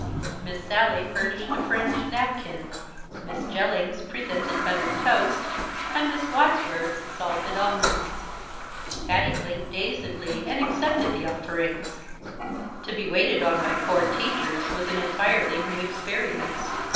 Miss Sallie furnished a fringed napkin, Miss Jellings presented buttered toast, and Miss Wadsworth, salted almonds. Patty blinked dazedly and accepted the offerings. To be waited on by four teachers was an entirely new experience.